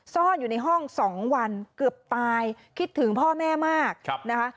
ซ่อนอยู่ในห้อง๒วันเกือบตายคิดถึงพ่อแม่มากนะคะ